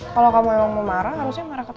kalau kamu emang mau marah harusnya marah ketemu